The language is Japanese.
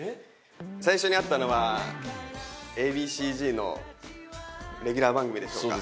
最初に会ったのはＡ．Ｂ．Ｃ−Ｚのレギュラー番組でしょうか。